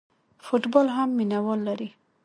فوټبال هم مینه وال لري.